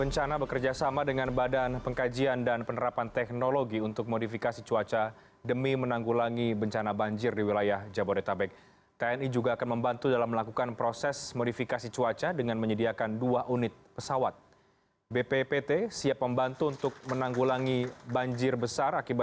cnn indonesia breaking news